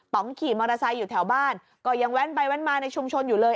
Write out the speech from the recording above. ขี่มอเตอร์ไซค์อยู่แถวบ้านก็ยังแว้นไปแว้นมาในชุมชนอยู่เลย